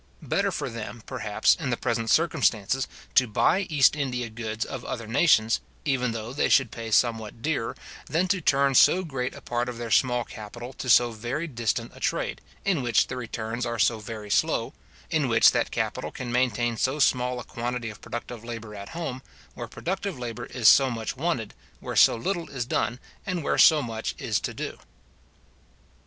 Better for them, perhaps, in the present circumstances, to buy East India goods of other nations, even though they should pay somewhat dearer, than to turn so great a part of their small capital to so very distant a trade, in which the returns are so very slow, in which that capital can maintain so small a quantity of productive labour at home, where productive labour is so much wanted, where so little is done, and where so much is to do.